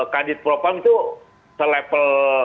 kadit propang itu se level